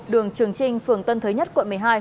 đường trường trinh phường tân thới nhất quận một mươi hai